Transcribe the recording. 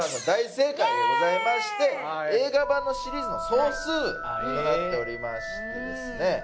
大正解でございまして映画版のシリーズの総数となっておりましてですね